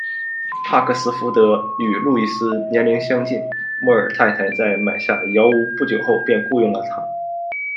帕克斯福德与路易斯年龄相近，莫尔太太在买下窑屋不久后便雇用了他。